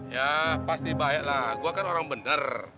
ya pasti baiklah gua kan orang bener